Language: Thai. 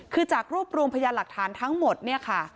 คือจากรวบรวมพยานหลักฐานทั้งหมดเนี่ยค่ะ